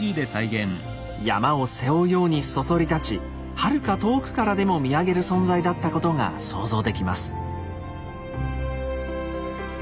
山を背負うようにそそり立ちはるか遠くからでも見上げる存在だったことが想像できます。